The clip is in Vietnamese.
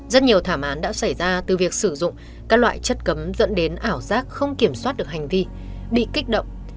rất nhiều thảm án đã xảy ra từ việc sử dụng các loại chất cấm dẫn đến ảo giác không kiểm soát được hành vi bị kích động